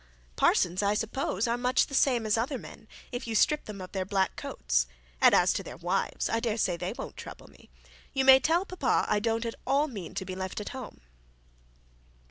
'Parsons, I suppose, are much the same as other men, if you strip them of their black coats; and as to their wives, I dare say they won't trouble me. You may tell papa I don't mean to be left at home.'